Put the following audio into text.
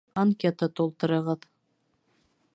Анкета тултырығыҙ